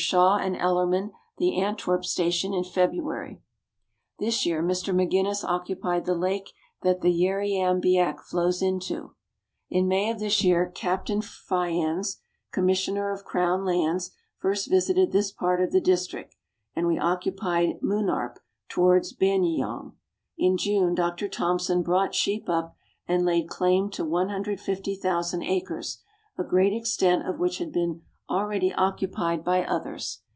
Shaw and Ellerman the Antwerp Station in February. This year Mr. McGuinness occupied the lake that the Yarriam biack flows into. In May of this year Captain Fyans, Commissioner of Crown Lands, first visited this part of the district, and we occupied Munarp towards Banyeyong. In June Dr. Thomson brought sheep up, and laid claim to 150,000 acres, a great extent of which had been already occupied by others.